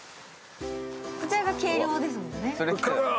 こちらが軽量ですもんね。